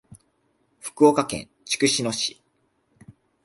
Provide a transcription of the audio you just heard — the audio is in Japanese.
福岡県筑紫野市